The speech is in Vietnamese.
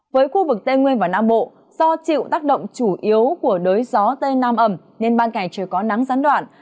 với khu vực tây nguyên và nam bộ do chịu tác động chủ yếu của đới gió tây nam ẩm nên ban ngày trời có nắng gián đoạn